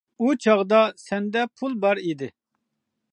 ئۇ چاغدا سەندە پۇل بار ئىدى.